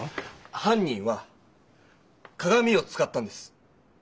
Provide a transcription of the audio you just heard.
犯人はかがみを使ったんです。